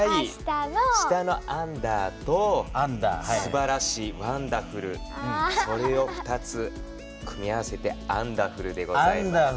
下の「アンダー」とすばらしい「ワンダフル」それを２つ組み合わせて「アンダフル」でございます。